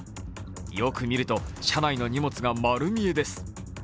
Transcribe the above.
よく見ると、車内の荷物が丸見えです。